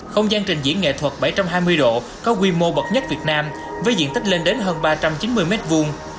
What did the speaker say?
không gian trình diễn nghệ thuật bảy trăm hai mươi độ có quy mô bậc nhất việt nam với diện tích lên đến hơn ba trăm chín mươi mét vuông